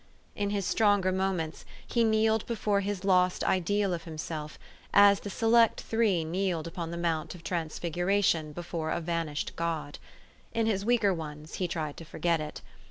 In his stronger mo ments he kneeled before his lost ideal of himself, as the select three kneeled upon the Mount of Trans figuration before a vanished God : in his weaker ones he tried to forget it.